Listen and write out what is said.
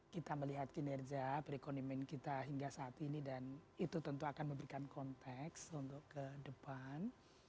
kita melihat kinerja perekonomian kita hingga saat ini dan itu tentu akan memberikan konteks untuk ke depan